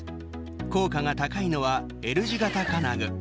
効果が高いのはＬ字形金具。